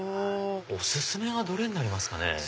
お薦めはどれになりますかね？